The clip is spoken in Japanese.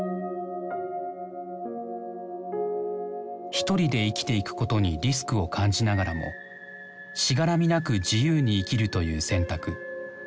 ひとりで生きていくことにリスクを感じながらもしがらみなく自由に生きるという選択。